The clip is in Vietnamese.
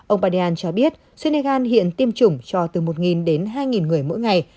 ông badian cho biết senegal hiện tiêm chủng cho từ một đến hai người mỗi ngày